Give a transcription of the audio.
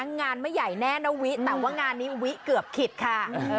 งานไม่ใหญ่แน่นะวิแต่ว่างานนี้วิเกือบขิดค่ะ